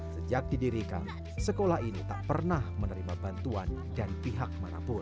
sejak didirikan sekolah ini tak pernah menerima bantuan dari pihak manapun